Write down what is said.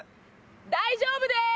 大丈夫です！